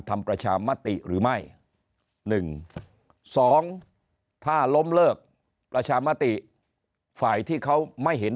ทำประชามติหรือไม่๑๒ถ้าล้มเลิกประชามติฝ่ายที่เขาไม่เห็น